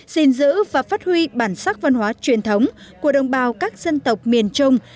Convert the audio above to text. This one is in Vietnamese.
xin giữ và phát huy bản sắc văn hóa truyền thống của đồng bào các dân tộc miền trung